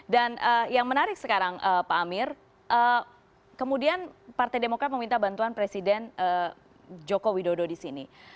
dan yang menarik sekarang pak amir kemudian partai demokrat meminta bantuan presiden joko widodo disini